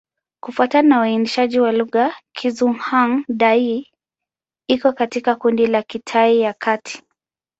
Kufuatana na uainishaji wa lugha, Kizhuang-Dai iko katika kundi la Kitai ya Kati.